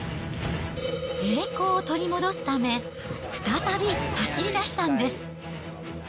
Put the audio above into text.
栄光を取り戻すため、再び走り出したんです。